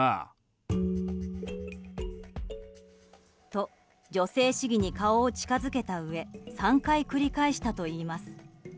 と、女性市議に顔を近づけたうえ３回繰り返したといいます。